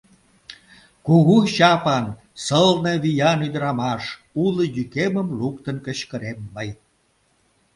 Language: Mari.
— Кугу чапан, сылне виян ӱдырамаш! — уло йӱкемым луктын кычкырем мый.